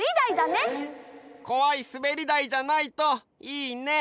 こわいすべりだいじゃないといいね！